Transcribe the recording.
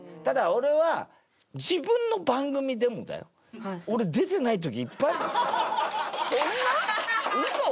ただ俺は自分の番組でもだよ。俺出てない時いっぱいある。